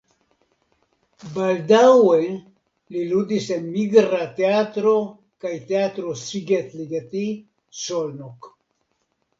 Baldaŭe li ludis en migra teatro kaj Teatro Szigligeti (Szolnok).